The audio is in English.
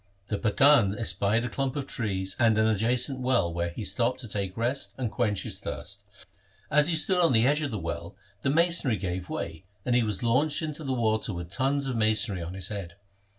The Pathan espied a clump of trees and an adjacent well where he stopped to take rest and quench his thirst. As he stood on the edge of the well the masonry gave way, and he was launched into the water with tons of masonry on his head.